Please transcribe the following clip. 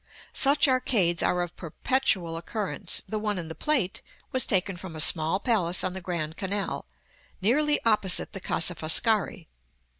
Such arcades are of perpetual occurrence; the one in the Plate was taken from a small palace on the Grand Canal, nearly opposite the Casa Foscari.